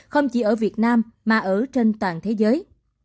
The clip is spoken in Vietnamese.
không chỉ ở việt nam mà ở trên toàn thế giới